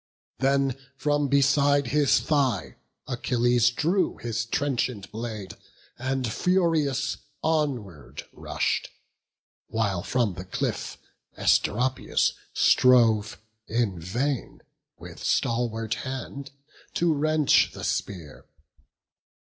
Then from beside his thigh Achilles drew His trenchant blade, and, furious, onward rush'd; While from the cliff Asteropaeus strove In vain, with stalwart hand, to wrench the spear.